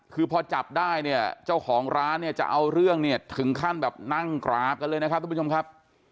คือพอจับได้เนี่ยเจ้าของร้านเนี่ยจะเอาเรื่องเนี่ยถึงขั้นแบบนั่งกราบกันเลยนะครับทุกผู้ชมครับ